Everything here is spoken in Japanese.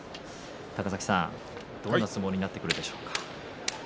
高崎さん、どんな相撲になってくるでしょうか。